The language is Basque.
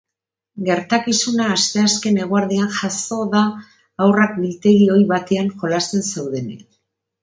Gertakizuna asteazken eguerdian jazo da haurrak biltegi ohi batean jolasten zeudenean.